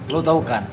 lo tau kan